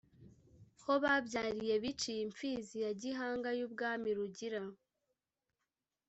ho babyariye (biciye) imfizi ya gihanga y'ubwami rugira,